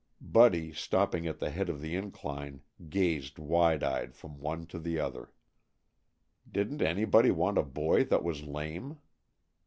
Buddy, stopping at the head of the incline, gazed, wide eyed from one to the other. Didn't anybody want a boy that was lame?